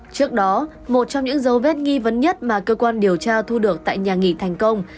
trước đó một trong những dấu vết nghi vấn nhất mà cơ quan điều tra thu được tại nhà nghỉ thành công